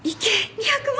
２００万！